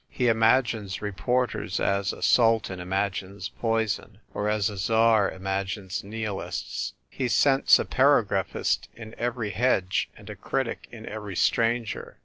He imagines reporters as a sultan imagines poison, or as a tsar imagines nihilists ; he scents a paragraphist in every hedge, and a critic in every stranger."